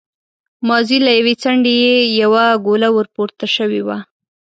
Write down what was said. مازې له يوې څنډې يې يوه ګوله ور پورته شوې وه.